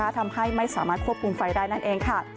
ทำให้ไม่สามารถควบคุมไฟได้นั่นเองค่ะ